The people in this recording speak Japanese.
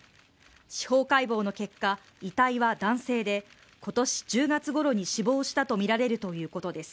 司法解剖の結果で遺体は男性で今年１０月ごろに死亡したとみられるということです。